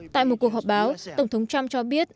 tại một cuộc họp báo tổng thống trump cho biết